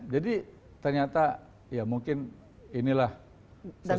jadi ternyata ya mungkin inilah sesuatu